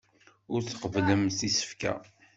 Ur tqebblemt isefka.